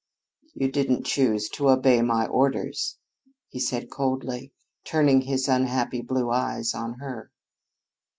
"You didn't choose to obey my orders," he said coldly, turning his unhappy blue eyes on her.